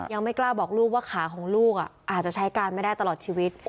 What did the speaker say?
ยังไม่กล้าบอกลูกว่าขาของลูกอาจจะใช้การไม่ได้ตลอดชีวิต